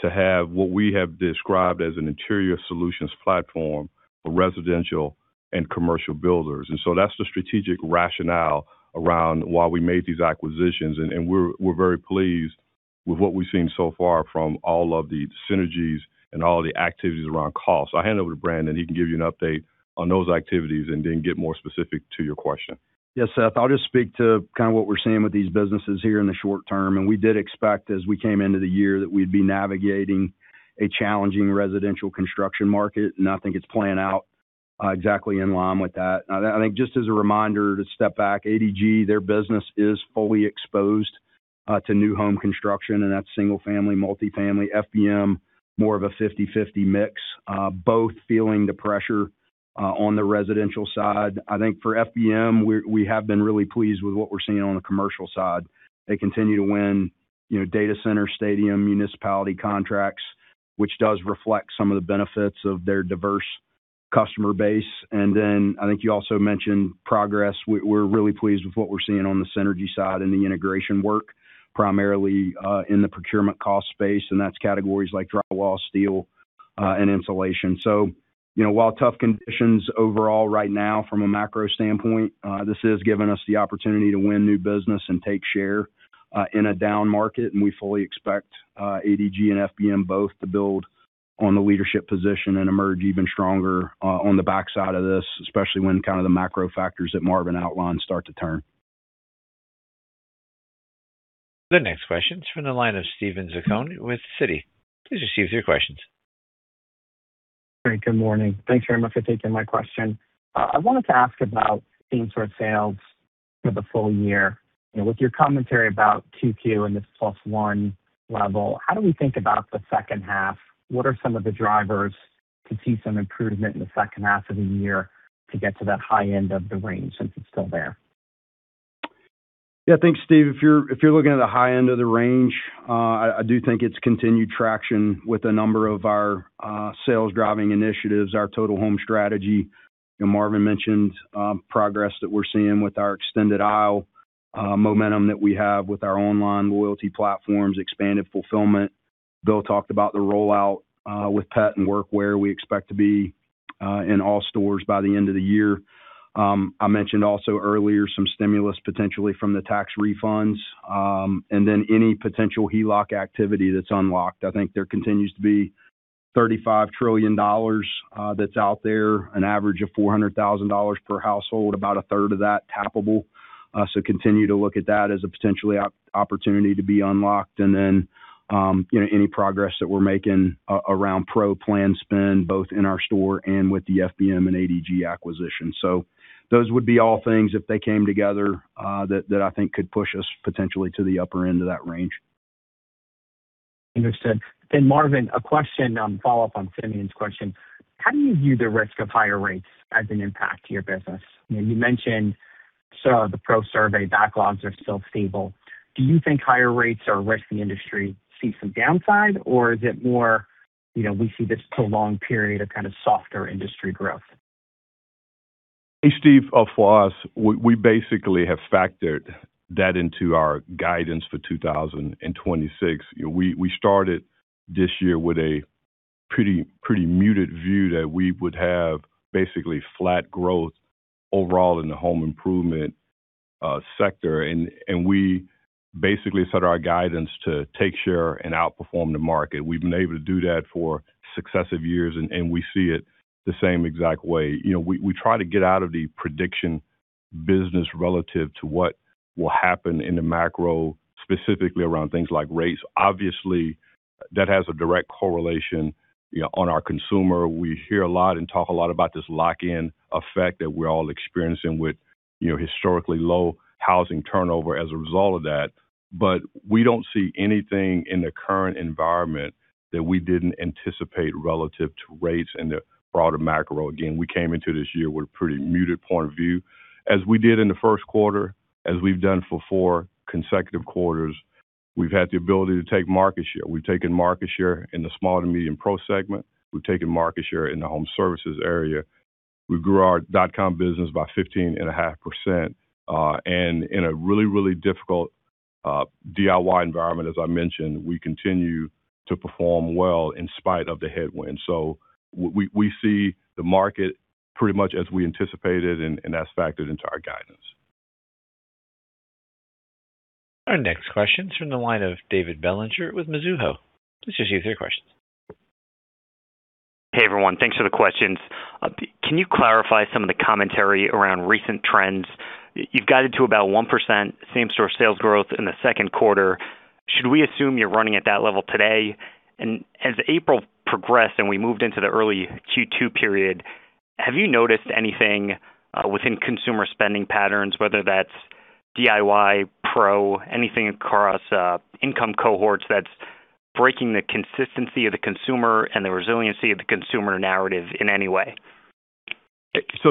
to have what we have described as an interior solutions platform for residential and commercial builders. That's the strategic rationale around why we made these acquisitions, and we're very pleased with what we've seen so far from all of the synergies and all the activities around cost. I'll hand it over to Brandon. He can give you an update on those activities and then get more specific to your question. Seth, I'll just speak to kind of what we're seeing with these businesses here in the short term. We did expect as we came into the year that we'd be navigating a challenging residential construction market, and I think it's playing out exactly in line with that. I think just as a reminder to step back, ADG, their business is fully exposed to new home construction, and that's single-family, multi-family. FBM, more of a 50/50 mix. Both feeling the pressure on the residential side. I think for FBM, we have been really pleased with what we're seeing on the commercial side. They continue to win data center, stadium, municipality contracts, which does reflect some of the benefits of their diverse customer base. Then I think you also mentioned progress. We're really pleased with what we're seeing on the synergy side and the integration work, primarily in the procurement cost space, and that's categories like drywall, steel, and insulation. While tough conditions overall right now from a macro standpoint, this has given us the opportunity to win new business and take share in a down market, and we fully expect ADG and FBM both to build on the leadership position and emerge even stronger on the backside of this, especially when kind of the macro factors that Marvin outlined start to turn. The next question is from the line of Steven Zaccone with Citi. Please proceed with your questions. Great, good morning. Thanks very much for taking my question. I wanted to ask about same store sales for the full-year. With your commentary about 2Q and this +1 level, how do we think about the second half? What are some of the drivers to see some improvement in the second half of the year to get to that high end of the range since it's still there? Thanks, Steve. If you're looking at the high end of the range, I do think it's continued traction with a number of our sales-driving initiatives, our Total Home strategy. Marvin mentioned progress that we're seeing with our Extended Aisle, momentum that we have with our online loyalty platforms, expanded fulfillment. Bill talked about the rollout with pet and work wear we expect to be in all stores by the end of the year. I mentioned also earlier some stimulus potentially from the tax refunds, and then any potential HELOC activity that's unlocked. I think there continues to be $35 trillion that's out there, an average of $400,000 per household, about 1/3 of that tappable. Continue to look at that as a potential opportunity to be unlocked and then any progress that we're making around Pro plan spend, both in our store and with the FBM and ADG acquisition. Those would be all things if they came together, that I think could push us potentially to the upper end of that range. Understood. Marvin, a question, follow-up on Simeon's question. How do you view the risk of higher rates as an impact to your business? You mentioned some of the Pro survey backlogs are still stable. Do you think higher rates are a risk the industry see some downside, or is it more we see this prolonged period of kind of softer industry growth? Hey, Steve, for us, we basically have factored that into our guidance for 2026. We started this year with a pretty muted view that we would have basically flat growth overall in the home improvement sector. We basically set our guidance to take share and outperform the market. We've been able to do that for successive years, and we see it the same exact way. We try to get out of the prediction business relative to what will happen in the macro, specifically around things like rates. Obviously, that has a direct correlation on our consumer. We hear a lot and talk a lot about this lock-in effect that we're all experiencing with historically low housing turnover as a result of that. We don't see anything in the current environment that we didn't anticipate relative to rates and the broader macro. Again, we came into this year with a pretty muted point of view. As we did in the first quarter, as we've done for four consecutive quarters, we've had the ability to take market share. We've taken market share in the small to medium Pro segment. We've taken market share in the home services area. We grew our dotcom business by 15.5%. In a really, really difficult DIY environment, as I mentioned, we continue to perform well in spite of the headwinds. We see the market pretty much as we anticipated, and that's factored into our guidance. Our next question's from the line of David Bellinger with Mizuho. Please proceed with your questions. Hey, everyone. Thanks for the questions. Can you clarify some of the commentary around recent trends? You've guided to about 1% same-store sales growth in the second quarter. Should we assume you're running at that level today? As April progressed and we moved into the early Q2 period, have you noticed anything within consumer spending patterns, whether that's DIY, Pro, anything across income cohorts that's breaking the consistency of the consumer and the resiliency of the consumer narrative in any way?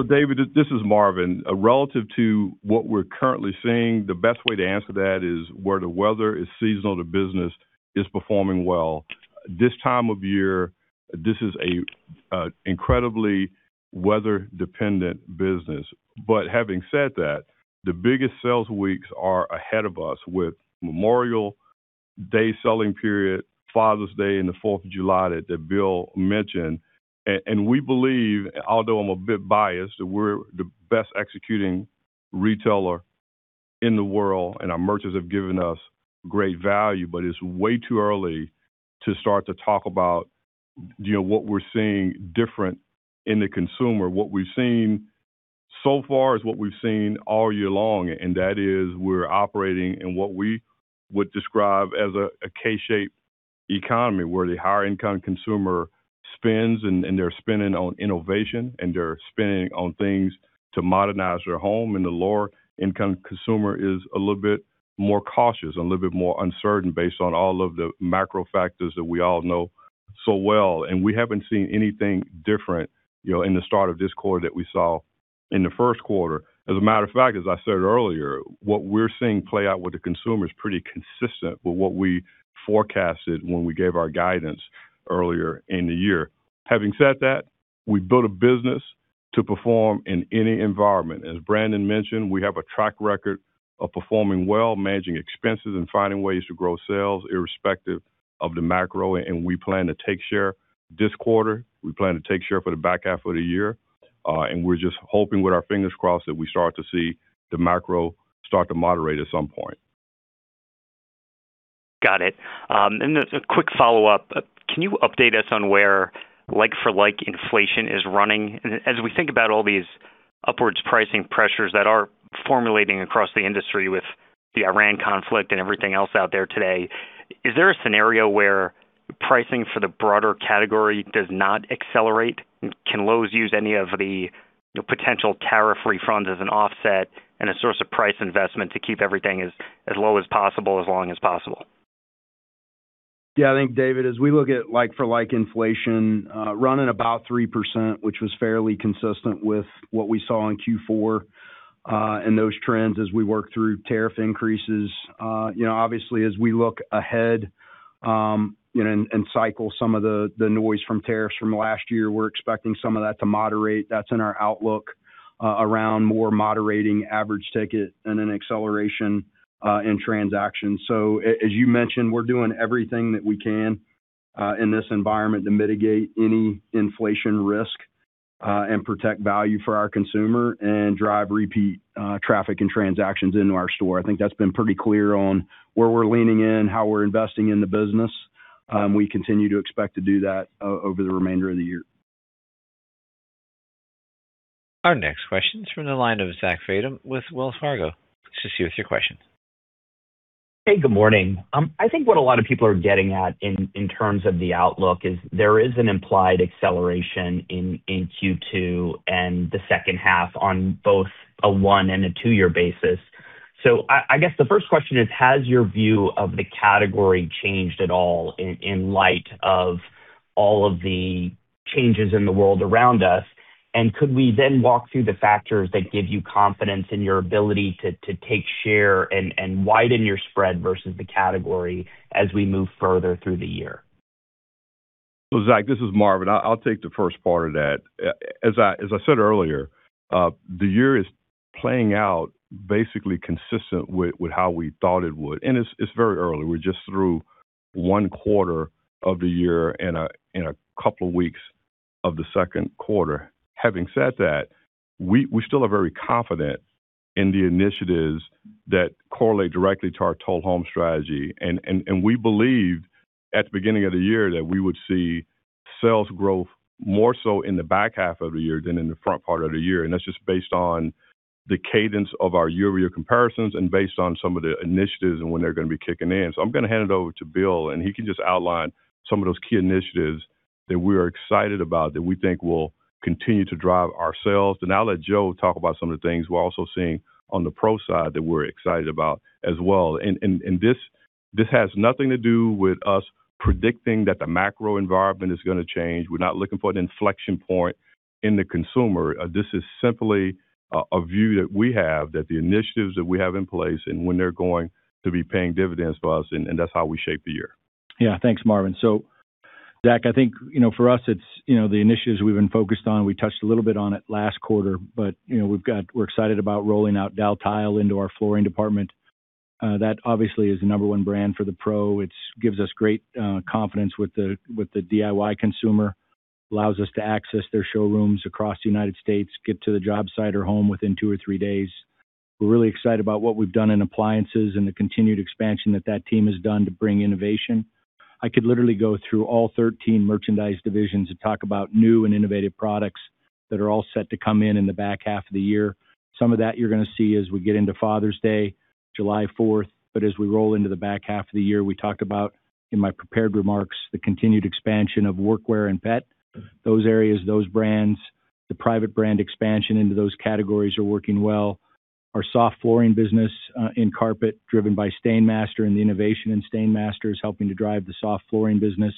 David, this is Marvin. Relative to what we're currently seeing, the best way to answer that is where the weather is seasonal, the business is performing well. This time of year, this is an incredibly weather-dependent business. Having said that, the biggest sales weeks are ahead of us with Memorial Day selling period, Father's Day, and the 4th of July that Bill mentioned. We believe, although I'm a bit biased, that we're the best executing retailer in the world and our merchants have given us great value, but it's way too early to start to talk about what we're seeing different in the consumer. What we've seen so far is what we've seen all year long, and that is we're operating in what we would describe as a K-shaped economy where the higher income consumer spends and they're spending on innovation and they're spending on things to modernize their home, and the lower income consumer is a little bit more cautious and a little bit more uncertain based on all of the macro factors that we all know so well. We haven't seen anything different in the start of this quarter that we saw in the first quarter. As a matter of fact, as I said earlier, what we're seeing play out with the consumer is pretty consistent with what we forecasted when we gave our guidance earlier in the year. Having said that, we built a business to perform in any environment. As Brandon mentioned, we have a track record of performing well, managing expenses, and finding ways to grow sales irrespective of the macro, and we plan to take share this quarter. We plan to take share for the back half of the year. We're just hoping with our fingers crossed that we start to see the macro start to moderate at some point. Got it. A quick follow-up. Can you update us on where like-for-like inflation is running? As we think about all these upwards pricing pressures that are formulating across the industry with the Iran conflict and everything else out there today, is there a scenario where pricing for the broader category does not accelerate? Can Lowe's use any of the potential tariff refunds as an offset and a source of price investment to keep everything as low as possible, as long as possible? Yeah, I think, David, as we look at like-for-like inflation running about 3%, which was fairly consistent with what we saw in Q4, and those trends as we work through tariff increases. As we look ahead, and cycle some of the noise from tariffs from last year, we're expecting some of that to moderate. That's in our outlook around more moderating average ticket and an acceleration in transactions. As you mentioned, we're doing everything that we can in this environment to mitigate any inflation risk, and protect value for our consumer and drive repeat traffic and transactions into our store. I think that's been pretty clear on where we're leaning in, how we're investing in the business. We continue to expect to do that over the remainder of the year. Our next question is from the line of Zach Fadem with Wells Fargo. Proceed with your question. Hey, good morning. I think what a lot of people are getting at in terms of the outlook is there is an implied acceleration in Q2 and the second half on both a one and a two year basis. I guess the first question is, has your view of the category changed at all in light of all of the changes in the world around us? Could we then walk through the factors that give you confidence in your ability to take share and widen your spread versus the category as we move further through the year? Zach, this is Marvin. I'll take the first part of that. As I said earlier, the year is playing out basically consistent with how we thought it would. It's very early. We're just through one quarter of the year and a couple of weeks of the second quarter. Having said that, we still are very confident in the initiatives that correlate directly to our Total Home strategy. We believed at the beginning of the year that we would see sales growth more so in the back half of the year than in the front part of the year. That's just based on the cadence of our year-over-year comparisons and based on some of the initiatives and when they're going to be kicking in. I'm going to hand it over to Bill, and he can just outline some of those key initiatives that we are excited about, that we think will continue to drive ourselves. I'll let Joe talk about some of the things we're also seeing on the Pro side that we're excited about as well. This has nothing to do with us predicting that the macro environment is going to change. We're not looking for an inflection point in the consumer. This is simply a view that we have that the initiatives that we have in place and when they're going to be paying dividends for us, and that's how we shape the year. Yeah. Thanks, Marvin. Zach, I think, for us, the initiatives we've been focused on, we touched a little bit on it last quarter. We're excited about rolling out Daltile into our flooring department. That obviously is the number one brand for the Pro. It gives us great confidence with the DIY consumer, allows us to access their showrooms across the United States, get to the job site or home within two or three days. We're really excited about what we've done in appliances and the continued expansion that that team has done to bring innovation. I could literally go through all 13 merchandise divisions and talk about new and innovative products that are all set to come in in the back half of the year. Some of that you're going to see as we get into Father's Day, July 4th. As we roll into the back half of the year, we talk about, in my prepared remarks, the continued expansion of work wear and pet. Those areas, those brands, the private brand expansion into those categories are working well. Our soft flooring business in carpet, driven by STAINMASTER, and the innovation in STAINMASTER is helping to drive the soft flooring business.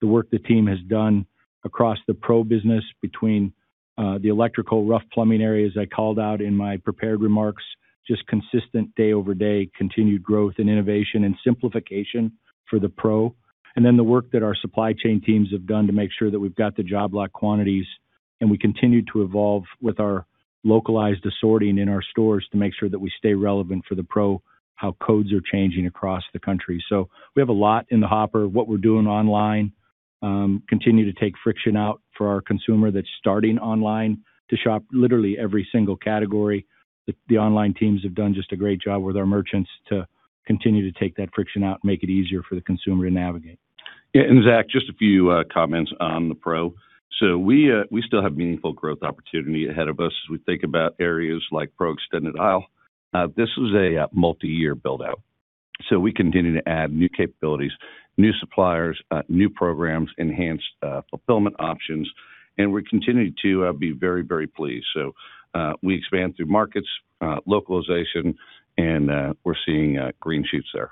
The work the team has done across the pro business between the electrical rough plumbing areas I called out in my prepared remarks, just consistent day-over-day continued growth in innovation and simplification for the Pro. The work that our supply chain teams have done to make sure that we've got the job lot quantities, and we continue to evolve with our localized assorting in our stores to make sure that we stay relevant for the Pro, how codes are changing across the country. We have a lot in the hopper. What we're doing online, continue to take friction out for our consumer that's starting online to shop literally every single category. The online teams have done just a great job with our merchants to continue to take that friction out and make it easier for the consumer to navigate. Yeah. Zach, just a few comments on the Pro. We still have meaningful growth opportunity ahead of us as we think about areas like Pro Extended Aisle. This was a multi-year build-out. We continue to add new capabilities, new suppliers, new programs, enhanced fulfillment options, and we're continuing to be very pleased. We expand through markets, localization, and we're seeing green sheets there.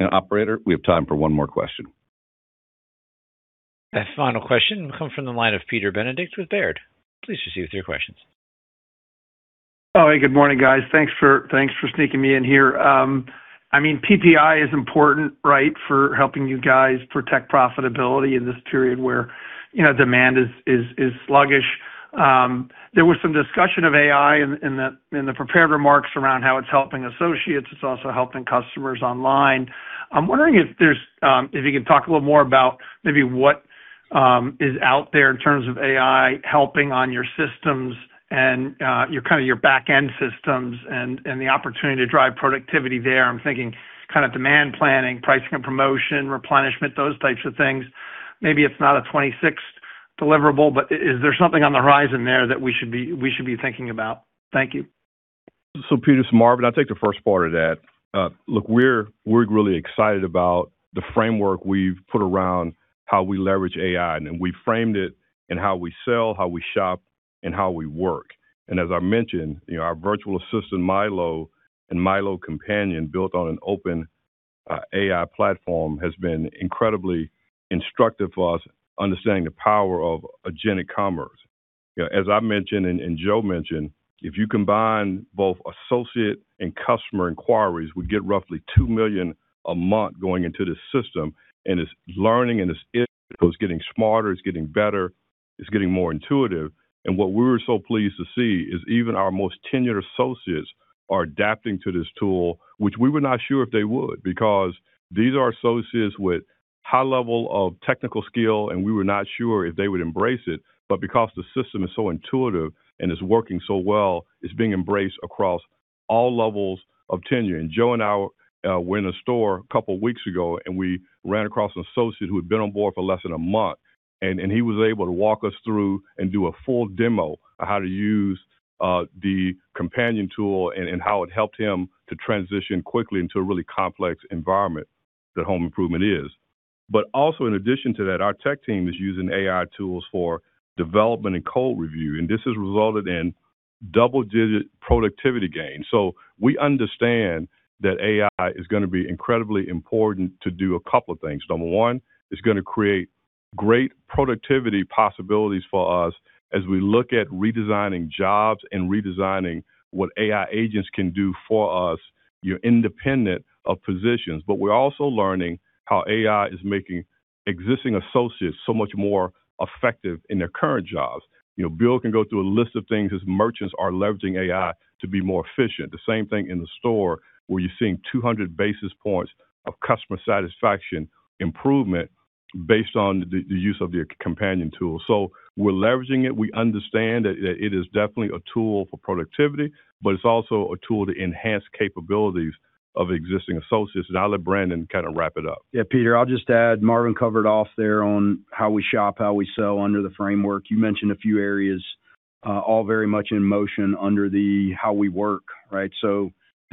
Operator, we have time for one more question. That final question will come from the line of Peter Benedict with Baird. Please proceed with your questions. Oh, hey, good morning, guys. Thanks for sneaking me in here. PPI is important for helping you guys protect profitability in this period where demand is sluggish. There was some discussion of AI in the prepared remarks around how it's helping associates. It's also helping customers online. I'm wondering if you can talk a little more about maybe what is out there in terms of AI helping on your systems and your back end systems and the opportunity to drive productivity there. I'm thinking demand planning, pricing and promotion, replenishment, those types of things. Maybe it's not a 26th deliverable, but is there something on the horizon there that we should be thinking about? Thank you. Peter, this is Marvin. I'll take the first part of that. Look, we're really excited about the framework we've put around how we leverage AI, and we framed it in how we sell, how we shop, and how we work. As I mentioned, our virtual assistant, Mylow, and Mylow Companion, built on an OpenAI platform, has been incredibly instructive for us understanding the power of agentic commerce. As I mentioned and Joe mentioned, if you combine both associate and customer inquiries, we get roughly 2 million a month going into the system, and it's learning, and it's getting smarter, it's getting better, it's getting more intuitive. What we were so pleased to see is even our most tenured associates are adapting to this tool, which we were not sure if they would because these are associates with high level of technical skill, and we were not sure if they would embrace it. Because the system is so intuitive and is working so well, it's being embraced across all levels of tenure. Joe and I were in a store a couple weeks ago, and we ran across an associate who had been on board for less than a month, and he was able to walk us through and do a full demo of how to use the companion tool and how it helped him to transition quickly into a really complex environment that home improvement is. Also, in addition to that, our tech team is using AI tools for development and code review, and this has resulted in double-digit productivity gains. We understand that AI is going to be incredibly important to do a couple of things. Number one, it's going to create great productivity possibilities for us as we look at redesigning jobs and redesigning what AI agents can do for us, independent of positions. We're also learning how AI is making existing associates so much more effective in their current jobs. Bill can go through a list of things as merchants are leveraging AI to be more efficient. The same thing in the store, where you're seeing 200 basis points of customer satisfaction improvement based on the use of the companion tool. We're leveraging it. We understand that it is definitely a tool for productivity, but it's also a tool to enhance capabilities of existing associates. I'll let Brandon kind of wrap it up. Yeah, Peter, I'll just add, Marvin covered off there on how we shop, how we sell under the framework. You mentioned a few areas, all very much in motion under the how we work.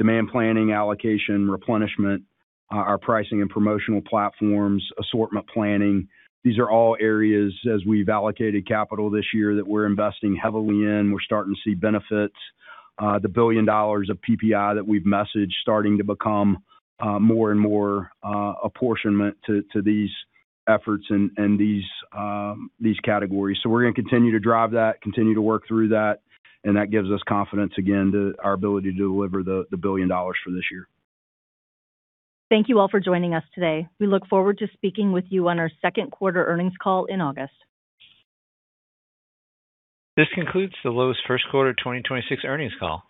Demand planning, allocation, replenishment, our pricing and promotional platforms, assortment planning. These are all areas, as we've allocated capital this year, that we're investing heavily in. We're starting to see benefits. The $1 billion of PPI that we've messaged starting to become more and more apportionment to these efforts and these categories. We're going to continue to drive that, continue to work through that, and that gives us confidence again to our ability to deliver the $1 billion for this year. Thank you all for joining us today. We look forward to speaking with you on our second quarter earnings call in August. This concludes the Lowe's first quarter 2026 earnings call.